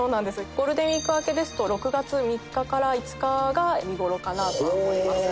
ゴールデンウィーク明けですと６月３日から５日が見頃かなと思います。